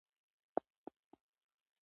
زده کړه ښځه د کورنۍ عاید زیاتوي.